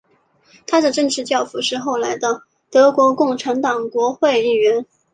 他的政治教父是后来的德国共产党国会议员。